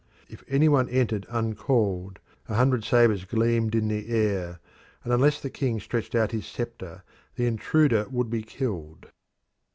If any one entered uncalled, a hundred sabres gleamed in the air, and unless the king stretched out his sceptre the intruder would be killed.